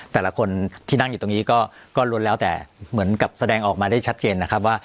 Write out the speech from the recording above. แต่ละคนที่นั่งอยู่ตรงนี้ก็ล้วนแล้วแต่เหมือนกับแสดงออกมาได้ชัดเจนนะครับว่า